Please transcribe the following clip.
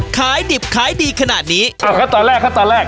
ขายดิบขายดีขนาดนี้เอาขั้นตอนแรกขั้นตอนแรก